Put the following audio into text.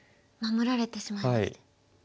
守られてしまいました。